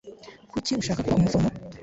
Kuki ushaka kuba umuforomo?